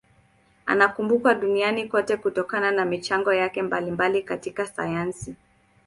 Anakumbukwa duniani kote kutokana na michango yake mbalimbali katika sayansi.